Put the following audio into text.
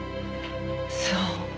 そう。